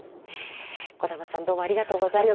児玉さんどうもありがとうございました。